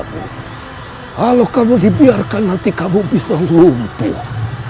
kalau kamu dibiarkan nanti kamu bisa rumput